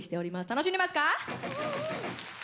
楽しんでますか？